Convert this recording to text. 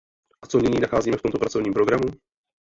A co nyní nacházíme v tomto pracovním programu?